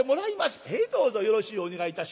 「ええどうぞよろしゅうお願いいたします」。